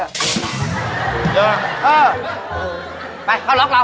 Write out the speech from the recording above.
เจอหรือเออไปเข้าล๊อคเรา